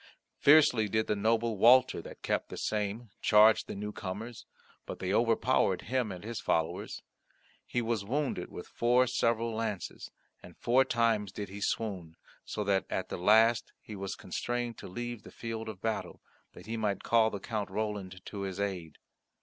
Fiercely did the noble Walter that kept the same charge the newcomers, but they overpowered him and his followers. He was wounded with four several lances, and four times did he swoon, so that at the last he was constrained to leave the field of battle, that he might call the Count Roland to his aid.